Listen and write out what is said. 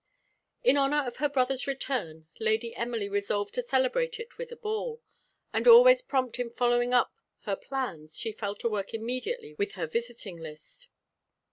IN honour of her brother's return Lady Emily resolved to celebrate it with a ball; and always prompt in following up her plans, she fell to work immediately with her visiting list.